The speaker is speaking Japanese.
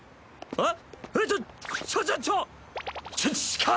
えっ？